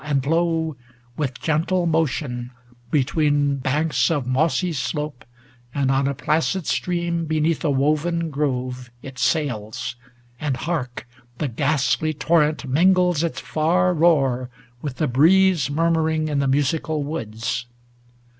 And, lo ! with gentle motion between banks Of mossy slope, and on a placid stream, 40a ALASTOR 39 Beneath a woven grove, it sails, and, hark ! The ghastly torrent mingles its far roar With the breeze murmuring in the musical woods.